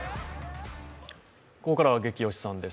ここからはゲキ推しさんです。